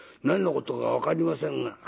何のことか分かりませんが」。